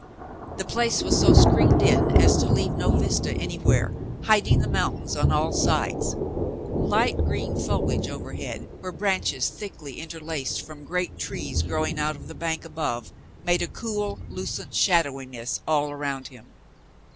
The place was so screened in as to leave no vista any where, hiding the mountains on all sides. Light green foliage overhead, where branches thickly interlaced from great trees growing out of the bank high above, made a cool, lucent shadowiness all around him.